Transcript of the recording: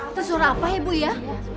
itu suruh apa ya bu ya